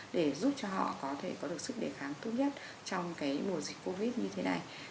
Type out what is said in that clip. để giúp cho họ có thể có được sức đề kháng tốt nhất trong mùa dịch covid như thế này